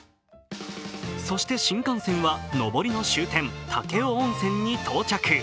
そして新幹線は上りの終点・武雄温泉に到着。